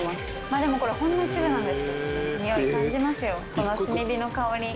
でもこれほんの一部なんですけど。におい感じますよこの。